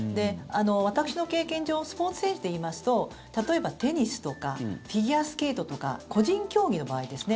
私の経験上スポーツ選手でいいますと例えば、テニスとかフィギュアスケートとか個人競技の場合ですね